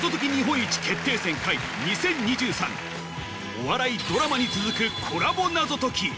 お笑いドラマに続くコラボ謎解き